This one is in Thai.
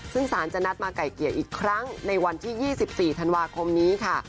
ซึ่งสารจะนัดมาไก่เกลี่ยอีกครั้งในวันที่๒๔ธันวาคมนี้ค่ะ